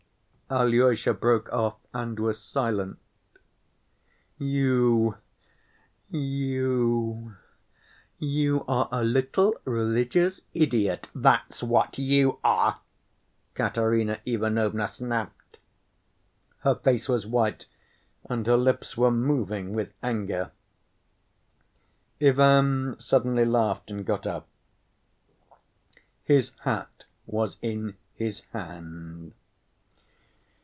Alyosha broke off and was silent. "You ... you ... you are a little religious idiot—that's what you are!" Katerina Ivanovna snapped. Her face was white and her lips were moving with anger. Ivan suddenly laughed and got up. His hat was in his hand.